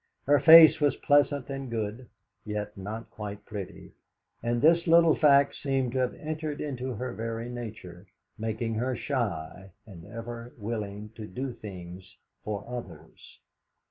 Her face was pleasant and good, yet not quite pretty, and this little fact seemed to have entered into her very nature, making her shy and ever willing to do things for others.